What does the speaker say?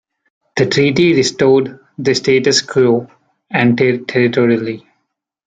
The treaty restored the status quo ante territorially.